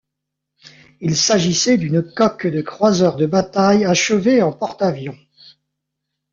Il s'agissait d'une coque de croiseur de bataille achevée en porte-avions.